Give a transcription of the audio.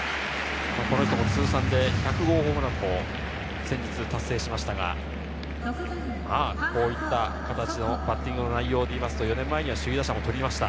通算１００号ホームランも先日達成しましたが、こういう形のバッティング内容を見ると、４年前、首位打者も取りました。